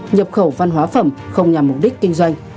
nhập khẩu văn hóa phẩm không nhằm mục đích kinh doanh